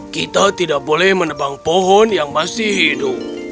kita tidak boleh menebang pohon yang masih hidup